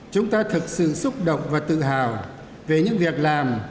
chúng ta thực sự xúc động và tự hào về những việc làm